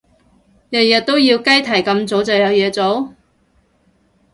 日日都要雞啼咁早就有嘢做？